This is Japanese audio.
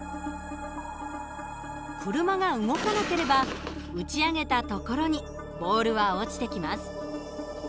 車が動かなければ打ち上げた所にボールは落ちてきます。